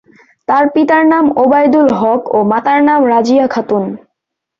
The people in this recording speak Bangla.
তার পিতার নাম ওবায়দুল হক ও মাতার নাম রাজিয়া খাতুন।